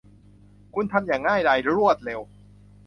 คุณทำอย่างง่ายดายรวดเร็ว